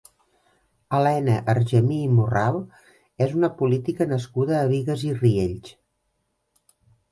Elena Argemí i Morral és una política nascuda a Bigues i Riells.